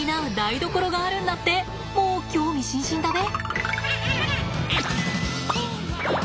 もう興味津々だべ？